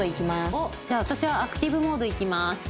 おっじゃあ私はアクティブモードいきます。